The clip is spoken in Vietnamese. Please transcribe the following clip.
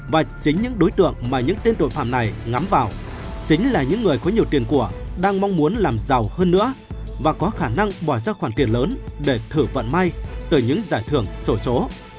và chính những đối tượng mà những tên tội phạm này ngắm vào chính là những người có nhiều tiền của đang mong muốn làm giàu hơn nữa và có khả năng bỏ ra khoản tiền lớn để thử vận may từ những giải thưởng sổ số